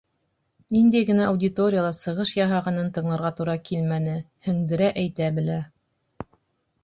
Ниндәй генә аудиторияла сығыш яһағанын тыңларға тура килмәне: һеңдерә әйтә белә.